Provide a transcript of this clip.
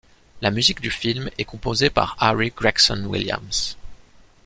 La musique du film est composée par Harry Gregson-Williams.